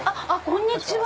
こんにちは。